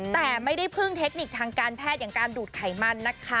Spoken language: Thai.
แต่ไม่ได้พึ่งเทคนิคทางการแพทย์อย่างการดูดไขมันนะคะ